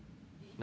何？